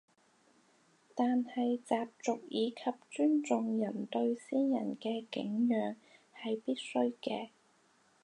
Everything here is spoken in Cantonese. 但係習俗以及尊重人對先人嘅敬仰係必須嘅